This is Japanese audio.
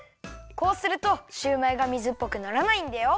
こうするとシューマイが水っぽくならないんだよ。